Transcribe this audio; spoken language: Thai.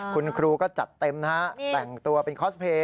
คุณครูก็จัดเต็มนะฮะแต่งตัวเป็นคอสเพลย